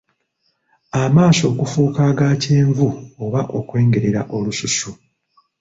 Amaaso okufuuka aga kyenvu oba okwengerera olususu.